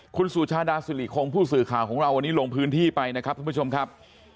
คุณสุชาดาสิริคงผู้สื่อข่าวของเราวันนี้ลงพื้นที่ไปนะครับท่านผู้ชมครับ